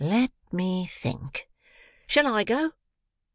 "Let me think." "Shall I go?"